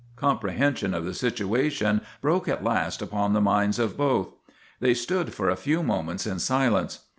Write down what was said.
Comprehension of the situation broke at last upon the minds of both. They stood for a few moments in silence.